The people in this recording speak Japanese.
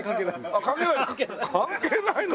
あっ関係ないの？